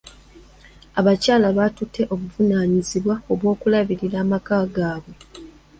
Abakyala batutte obuvunaanyizibwa bw'okulabirira amaka gaabwe.